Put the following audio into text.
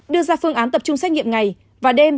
đưa ra phương án tập trung xét nghiệm ngày và đêm